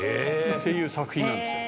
「っていう作品なんですよ」